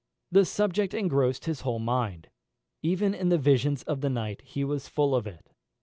The subject engrossed his whole mind. Even in the visions of the night he was full of it.